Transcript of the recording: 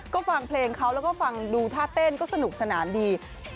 ก็ฟังเพลงเขาแล้วก็ฟังดูท่าเต้นก็สนุกสนานดี